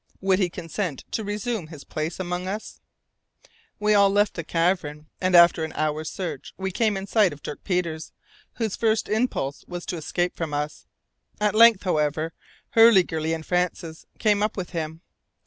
Would he consent to resume his place among us? We all left the cavern, and after an hour's search we came in sight of Dirk Peters, whose first impulse was to escape from us. At length, however, Hurliguerly and Francis came up with him.